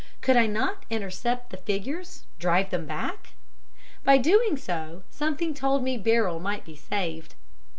Could I not intercept the figures, drive them back? By doing so something told me Beryl might be saved.